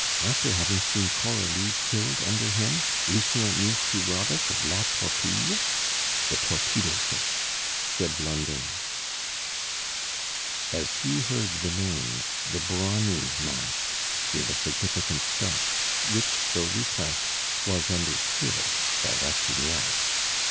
after having seen Coralie killed under him, Lucien means to rob us of La Torpille?" (the torpedo fish) said Blondet. As he heard the name the brawny mask gave a significant start, which, though repressed, was understood by Rastignac.